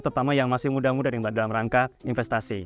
terutama yang masih muda muda nih mbak dalam rangka investasi